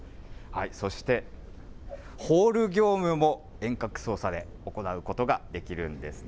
そして、ホール業務も、遠隔操作で行うことができるんですね。